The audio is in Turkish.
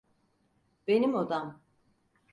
Benim odam.